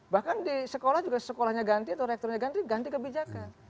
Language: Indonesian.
bahkan di sekolah juga sekolahnya ganti atau rektornya ganti ganti kebijakan